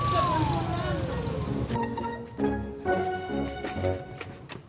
kau bisa turun pulang